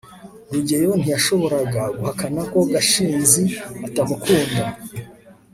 rugeyo ntiyashoboraga guhakana ko gashinzi atamukunda